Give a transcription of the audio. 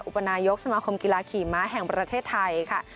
อุปนายกสมาคมกีฬาขี่ม้าแห่งประเทศไทยค่ะ